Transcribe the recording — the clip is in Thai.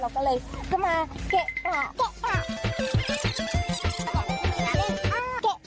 เกะกะมันชื่อว่าเกะกะนี่ไม่รู้เหรอว่าเขาหลอกมาทุ่งนาเนี่ย